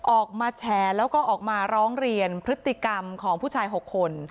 ออกมาแฉแล้วก็ออกมาร้องเรียนพฤติกรรมของผู้ชาย๖คน